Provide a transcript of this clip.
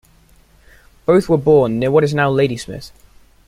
Both were born near what is now Ladysmith.